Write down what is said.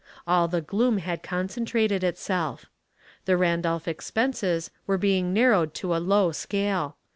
All the gloom had concentrated itself. The Randolph expenses were being narrowed to a low scale.